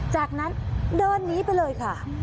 จากนั้นเดินหนีไปเลยค่ะ